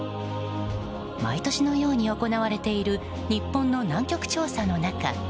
毎年のように行われている日本の南極調査の中